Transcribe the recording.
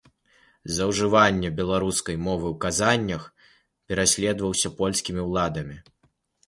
За ўжыванне беларускай мовы ў казаннях праследаваўся польскімі ўладамі.